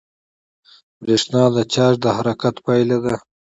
برېښنا د چارج د حرکت پایله ده.